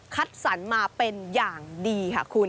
คัดสรรมาเป็นอย่างดีค่ะคุณ